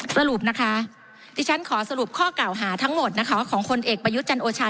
สรุปนะคะที่ฉันขอสรุปข้อเก่าหาทั้งหมดนะคะของคนเอกประยุทธ์จันโอชา